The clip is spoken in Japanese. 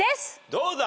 どうだ？